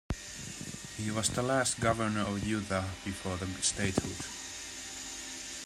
He was the last Governor of Utah before statehood.